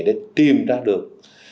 để tìm ra được